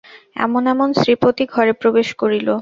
এমন সময় শ্রীপতি ঘরে প্রবেশ করিল।